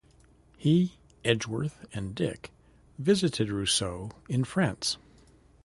He, Edgeworth and Dick visited Rousseau in France.